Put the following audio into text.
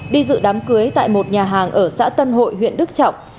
đi dự đám cưới tại một nhà hàng ở xã tân hội huyện đức trọng